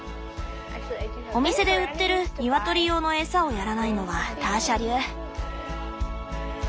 お店で売ってるニワトリ用の餌をやらないのはターシャ流。